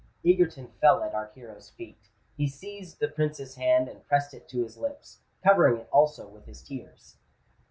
Egerton fell at our hero's feet: he seized the Prince's hand, and pressed it to his lips—covering it also with his tears.